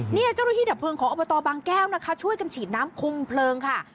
เจ้าหน้าที่ดับเพลิงของอบตบางแก้วนะคะช่วยกันฉีดน้ำคุมเพลิงค่ะ